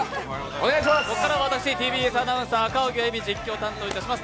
ここからは私、ＴＢＳアナウンサー・赤荻歩が実況いたします。